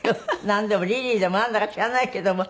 なんでも“リリー”でもなんだか知らないけども」。